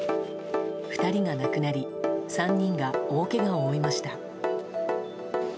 ２人が亡くなり３人が大けがを負いました。